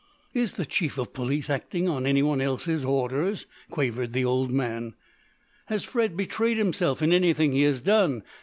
"Is the chief of police acting on anyone else's orders?" quavered the old man. "Has Fred betrayed himself in anything he has done?